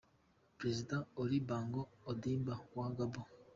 Perezida Ali Bongo Ondimba wa Gabon.